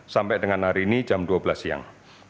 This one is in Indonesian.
sampai dengan hari ini jam dua belas siang